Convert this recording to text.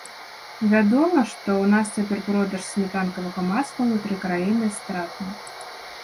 Вядома, што ў нас цяпер продаж сметанковага масла ўнутры краіны стратны.